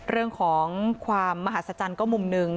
เรื่องของความมหัศจรรย์ก็มุมหนึ่ง